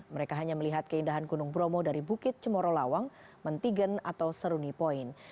mereka hanya melihat keindahan gunung bromo dari bukit cemoro lawang mentigen atau seruni point